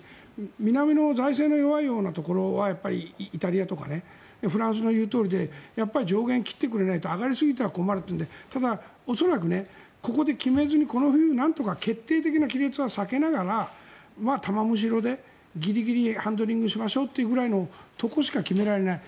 南の財政の弱いところはイタリアとかはフランスの言うとおりで上限を切ってくれないと上がりすぎては困るというのでただ、恐らくここで決めずにこの冬なんとか決定的な亀裂は避けながら玉虫色でギリギリハンドリングしましょうというぐらいのところしか決められない。